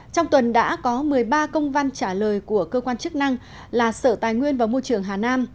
trong tuần đã có một mươi ba công văn trả lời của cơ quan chức năng là sở tài nguyên và môi trường hà nam